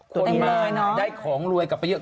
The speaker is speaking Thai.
คนมาได้ของรวยกลับไปเยอะ